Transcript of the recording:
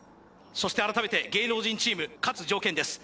そして改めて芸能人チーム勝つ条件です